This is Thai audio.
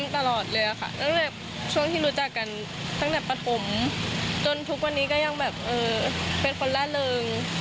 ตั้งแต่ปฐมจนทุกวันนี้ก็ยังแบบเป็นคนล่าเริง